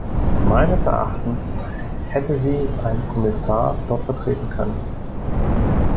Meines Erachtens hätte Sie ein Kommissar dort vertreten können.